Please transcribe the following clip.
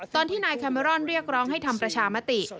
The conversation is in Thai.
ตอนที่นายแคเมรอนเรียกร้องให้ทำประชามติ